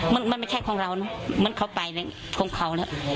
มันมันไม่แค่ของเราเนอะเหมือนเขาไปเนี่ยของเขาเนี่ย